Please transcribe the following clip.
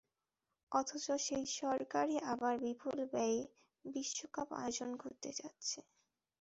অথচ সেই সরকারই আবার বিপুল ব্যয়ে বিশ্বকাপ আয়োজন করতে যাচ্ছে দেশে।